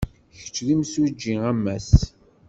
Kečč d imsujji a Mass?